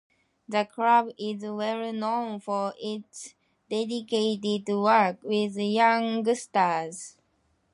The club is well known for its dedicated work with youngsters.